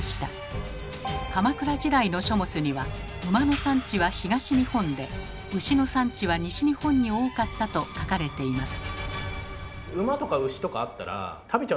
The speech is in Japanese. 鎌倉時代の書物には馬の産地は東日本で牛の産地は西日本に多かったと書かれています。